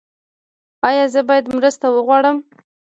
ایا زه باید مرسته وغواړم؟